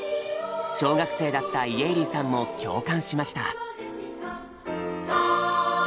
小学生だった家入さんも共感しました。